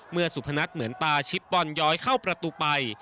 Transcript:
สุพนัทเหมือนตาชิปบอลย้อยเข้าประตูไป